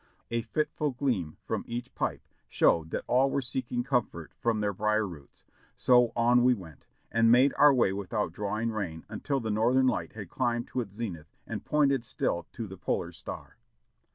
A fitful gleam from each pipe showed that all were seeking comfort from their brier roots, so on we went, and made our way without drawing rein until the northern light had climbed to its zenith and pointed still to the polar star.